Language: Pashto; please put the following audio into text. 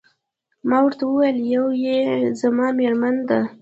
ما ورته وویل: یوه يې زما میرمن ده.